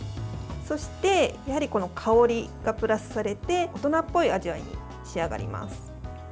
そして香りがプラスされて大人っぽい味わいに仕上がります。